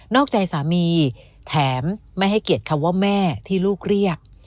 อกใจสามีแถมไม่ให้เกียรติคำว่าแม่ที่ลูกเรียก